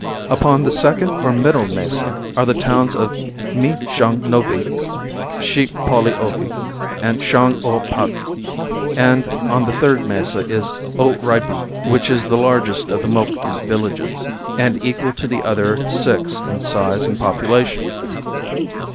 Upon the second or middle mesa are the towns of Mi shong novi, Shi pauli ovi and Shong o pavi; and on the third mesa is O rai bi, which is the largest of the Moqui villages, and equal to the other six in size and population.